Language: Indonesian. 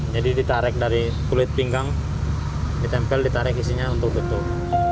jadi ditarik dari kulit pinggang ditempel ditarik isinya untuk betul